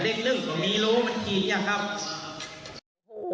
เลข๑ตรงนี้รู้มันกินหรือยังครับ